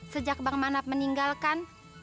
sejak bang manap meninggalkan